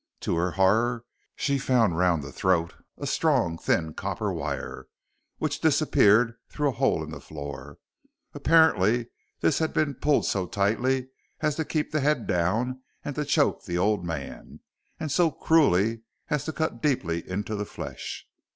To her horror she found round the throat a strong thin copper wire, which disappeared through a hole in the floor. Apparently this had been pulled so tightly as to keep the head down and to choke the old man, and so cruelly as to cut deeply into the flesh.